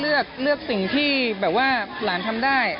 เลือกสิ่งที่แบบว่าหลานทำได้